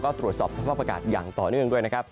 ก็ตรวจสอบสภาพอากาศอย่างต่อเนื่องด้วยนะครับ